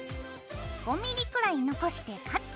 ５ｍｍくらい残してカット！